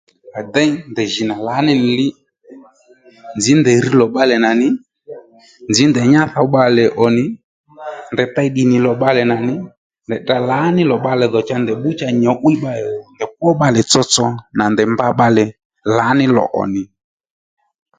À déy ndèy jì nà nì li nzǐ ndèy rr lò bbalè nà nì nzǐ ndèy nya thǒw bbalè ò nì ndèy tey ddì nì lò bbalè nà nì ndèy tdra lǎní lò bbalè dhò cha ndèy bbú nyǔ'wiy bbalè dhò ndèy kwó bbalè tsotso ndèy mba bbalè lǎní lò ò nì